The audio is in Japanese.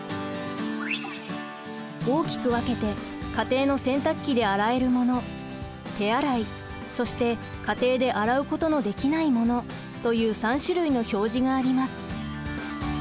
大きく分けて「家庭の洗濯機で洗えるもの」「手洗い」そして「家庭で洗うことのできないもの」という３種類の表示があります。